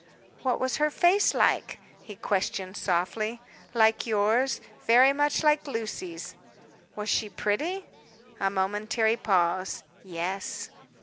"What was her face like?" he questioned softly. "Like yours. Very much like Lucy's." "Was she pretty?" A momentary pause. "Yes."